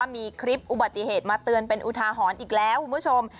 มีคลิปอุบัติเหตุมาเตือนเป็นอุทาหรณ์อีกแล้วคุณผู้ชม